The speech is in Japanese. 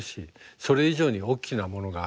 それ以上に大きなものがある。